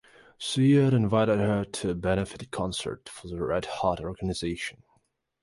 Suede invited her to a benefit concert for the Red Hot Organization.